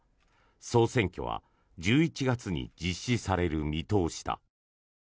総選挙は１１月に実施される見通しだ。